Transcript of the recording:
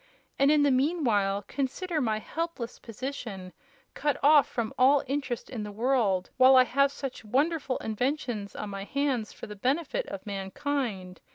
And, in the meanwhile, consider my helpless position, cut off from all interest in the world while I have such wonderful inventions on my hands for the benefit of mankind.